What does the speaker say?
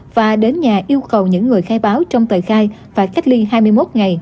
và đến nhà yêu cầu những người khai báo trong tờ khai và cách ly hai mươi một ngày